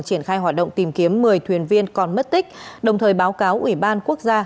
triển khai hoạt động tìm kiếm một mươi thuyền viên còn mất tích đồng thời báo cáo ủy ban quốc gia